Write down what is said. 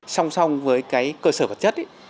song song với cái cơ sở vật chất